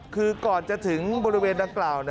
คือก่อนจะถึงบริเวณดังกล่าว